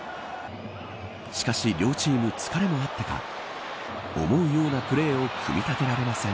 しかし、両チーム疲れもあってか思うようなプレーを組み立てられません。